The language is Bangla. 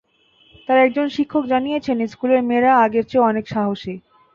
তার একজন শিক্ষক জানিয়েছেন, স্কুলের মেয়েরা আগের চেয়ে এখন অনেক সাহসী।